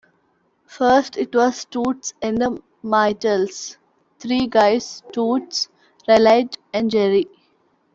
First it was Toots and the Maytals, three guys: Toots, Raleigh, and Jerry.